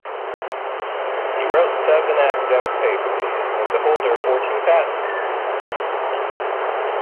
He wrote seven academic papers and was the holder of fourteen patents.